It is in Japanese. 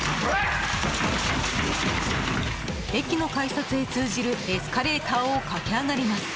駅の改札へ通じるエスカレーターを駆け上がります。